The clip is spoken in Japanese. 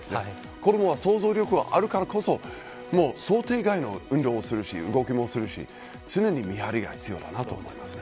子どもは想像力があるからこそ想定外の運動をするし動きもするし常に見張りが必要だなと思いますね。